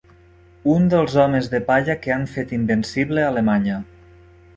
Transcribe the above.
Un dels homes de palla que han fet invencible Alemanya.